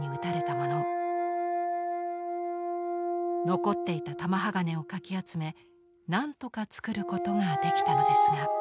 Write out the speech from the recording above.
残っていた玉鋼をかき集めなんとかつくることができたのですが。